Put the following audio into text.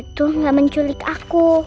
itu gak menculik aku